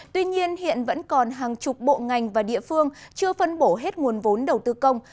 tuy nhiên hiện vẫn còn hàng chục bộ ngành và địa phương chưa phân bổ hết nguồn vốn đầu tư công